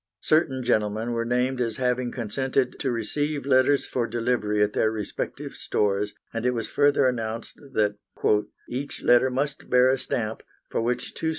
Certain gentlemen were named as having consented to receive letters for delivery at their respective stores, and it was further announced that "each letter must bear a stamp, for which 2 c.